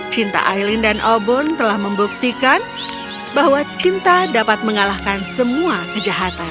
cinta aileen dan obon telah membuktikan bahwa cinta dapat mengalahkan semua kejahatan